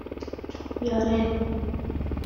یارن